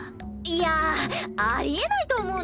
いやありえないと思うな！